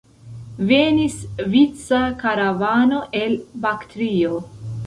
Venis vica karavano el Baktrio.